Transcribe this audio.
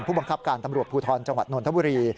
ผู้บังคับการตำรวจภูทรจังหวัดนทบุรี